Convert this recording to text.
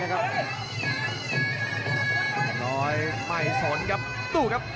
จอโอ้โหอย่างเสียขวาครับ